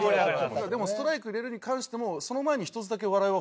でもストライク入れるに関してもその前に１つだけ笑いは欲しいですね